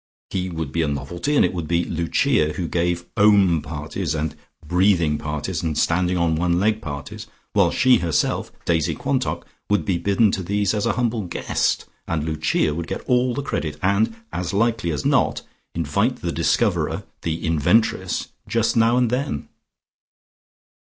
He would be a novelty, and it would be Lucia who gave Om parties and breathing parties and standing on one leg parties, while she herself, Daisy Quantock, would be bidden to these as a humble guest, and Lucia would get all the credit, and, as likely as not, invite the discoverer, the inventress, just now and then.